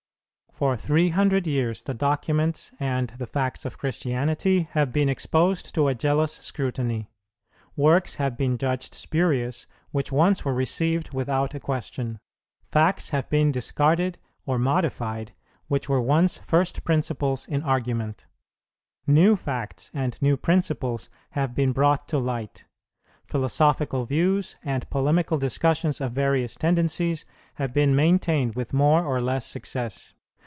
For three hundred years the documents and the facts of Christianity have been exposed to a jealous scrutiny; works have been judged spurious which once were received without a question; facts have been discarded or modified which were once first principles in argument; new facts and new principles have been brought to light; philosophical views and polemical discussions of various tendencies have been maintained with more or less success.